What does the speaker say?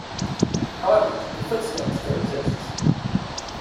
However, the footstone still exists.